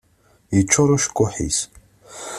Yeččur ucekkuḥ-is.